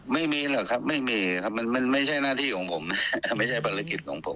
ไม่มีหรอกครับไม่มีครับมันไม่ใช่หน้าที่ของผมไม่ใช่ภารกิจของผม